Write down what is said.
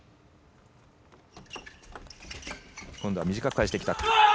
今度は短く返してきた。